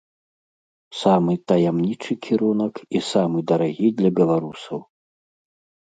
Самы таямнічы кірунак і самы дарагі для беларусаў.